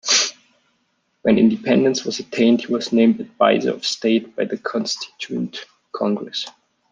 When independence was attained, he was named advisor of state by the constituent congress.